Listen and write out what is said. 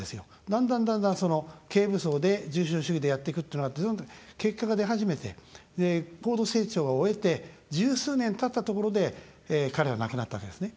だんだんだんだん、軽武装で重商主義でやってくっていうのが結果が出始めて高度成長を終えて十数年たったところで彼は亡くなったわけですね。